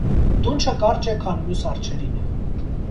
Դունչը կարճ է, քան մյուս արջերինը։